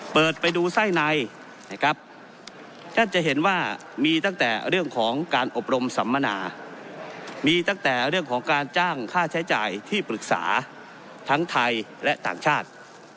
เปิดไปดูไส้ในนะครับท่านจะเห็นว่ามีตั้งแต่เรื่องของการอบรมสัมมนามีตั้งแต่เรื่องของการจ้างค่าใช้จ่ายที่ปรึกษาทั้งไทยและต่างชาติ